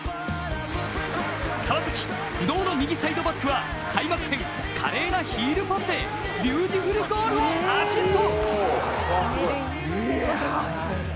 川崎・不動の右サイドバックは開幕戦、華麗なヒールパスでビューティフルゴールをアシスト！